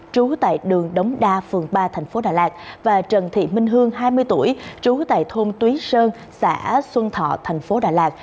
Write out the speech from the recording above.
trú tại đường đống đa phường ba tp đà lạt và trần thị minh hương hai mươi tuổi trú tại thôn túy sơn xã xuân thọ tp đà lạt